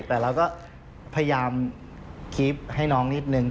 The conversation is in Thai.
แต่เราก็พยายามคลิปให้น้องนิดนึง